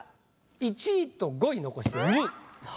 １位と５位残して２位。